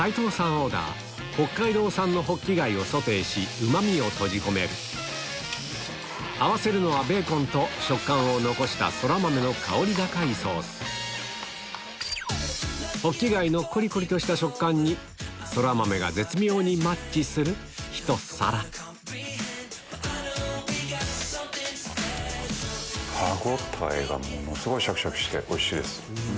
オーダーソテーしうまみを閉じ込める合わせるのはベーコンと食感を残したソラマメの香り高いソースホッキガイのコリコリとした食感にソラマメが絶妙にマッチするひと皿歯応えがものすごいシャキシャキしておいしいです。